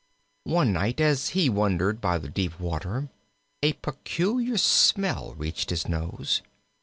One night as he wandered by the deep water a peculiar smell reached his nose.